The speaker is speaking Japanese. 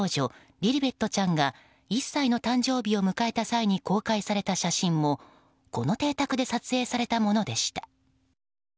リリベットちゃんが１歳の誕生日を迎えた際に公開された写真も、この邸宅で撮影されたものでした。